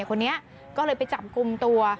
คนนี้ก็เลยไปจับกลุ่มตัว